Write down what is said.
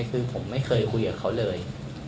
คือผมไม่เคยคุยกับเขาเลย